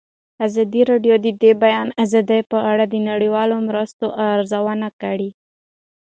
ازادي راډیو د د بیان آزادي په اړه د نړیوالو مرستو ارزونه کړې.